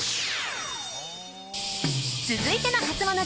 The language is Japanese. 続いてのハツモノ